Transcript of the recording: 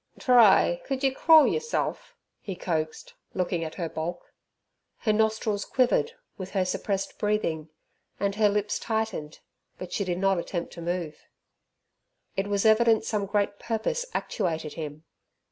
"Try could yer crawl yerself?" he coaxed, looking at her bulk. Her nostrils quivered with her suppressed breathing, and her lips tightened, but she did not attempt to move. It was evident some great purpose actuated him.